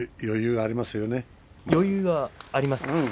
余裕がありますか。